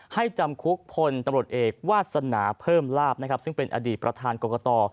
จำคุกพลตำรวจเอกวาสนาเพิ่มลาบนะครับซึ่งเป็นอดีตประธานกรกต